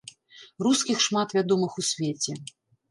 Рускіх шмат вядомых у свеце.